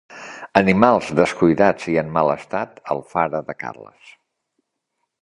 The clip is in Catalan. Animals descuidats i en mal estat a Alfara de Carles